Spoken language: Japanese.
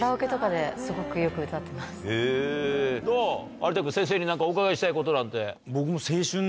有田君先生に何かお伺いしたいことなんて。